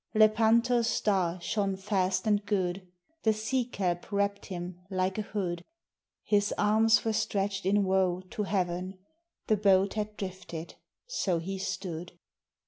Lepanto's star shone fast and good; The sea kelp wrapped him like a hood; His arms were stretched in woe to heaven; The boat had drifted: so he stood.